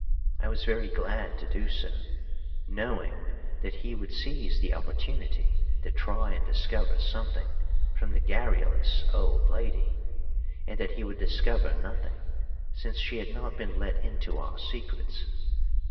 I was very glad to do so, knowing that he would seize the opportunity to try and discover something from the garrulous old lady, and that he would discover nothing, since she had not been let into our secrets.